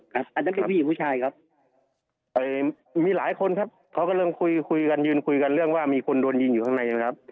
อันนั้นเป็นผู้หญิงผู้ชายครับมีหลายคนครับเขาก็เริ่มคุยคุยกันยืนคุยกันเรื่องว่ามีคนโดนยิงอยู่ข้างในนะครับ